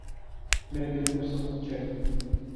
میرے دل کو سکون چایئے